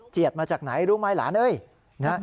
เจียดมาจากไหนรู้ไหมหลาน